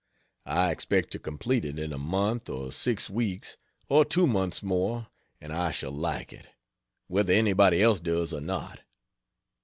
I expect to complete it in a month or six weeks or two months more. And I shall like it, whether anybody else does or not.